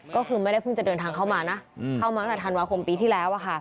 ก็คือไม่ได้เพิ่งจะเดินทางเข้ามานะเข้ามาตั้งแต่ธันวาคมปีที่แล้ว